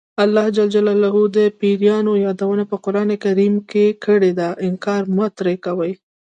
الله ج د پیریانو یادونه په قران کې کړې ده انکار مه ترې کوئ.